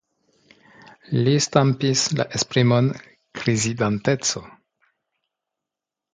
Li stampis la esprimon "krizidenteco".